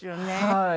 はい。